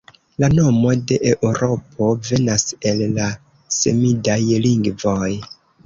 La nomo de Eŭropo venas el la semidaj lingvoj.